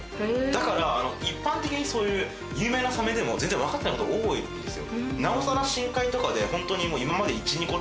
だから一般的にそういう有名なサメでも全然分かってないことが多いんですよ。